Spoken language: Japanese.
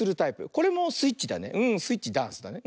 これもスイッチだねスイッチダンスだね。